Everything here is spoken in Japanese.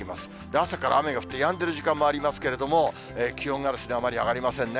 朝から雨が降って、やんでる時間もありますけれども、気温があまり上がりませんね。